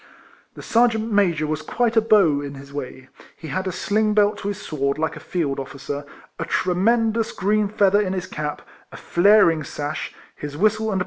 The Sergeant Major was quite a beau, in his way ; he had a sling belt to his sword like a field officer, a tremendous green feather in his cap, a flaring sash, his whistle and RIFLEMAN HAURIS.